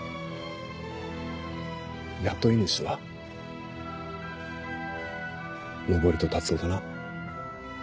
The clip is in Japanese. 雇い主は登戸龍男だな？